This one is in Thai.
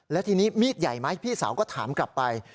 แล้วทีนี้มีดใหญ่ไหมพี่สาวก็ถามกลับไป